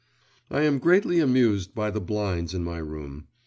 I am greatly amused by the blinds in my room.